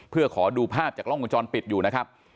เพื่อขอดูภาพจากกล้องวงจรปิดอยู่นะครับ